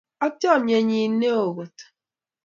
Ak chamnyennyi ne o kot.